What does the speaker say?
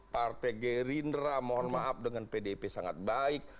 partai gerindra mohon maaf dengan pdip sangat baik